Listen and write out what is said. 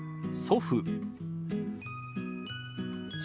祖父。